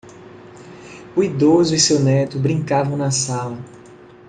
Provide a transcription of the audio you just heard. O idoso e seu neto brincavam na sala.